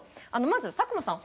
まず佐久間さん。